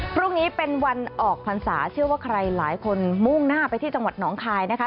พรุ่งนี้เป็นวันออกพรรษาเชื่อว่าใครหลายคนมุ่งหน้าไปที่จังหวัดหนองคายนะคะ